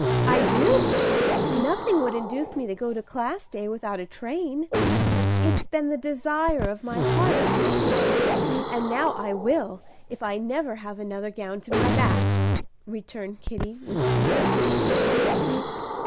"I do! Nothing would induce me to go to Class Day without a train. It's been the desire of my heart to have one, and now I will, if I never have another gown to my back!" returned Kitty, with immense decision.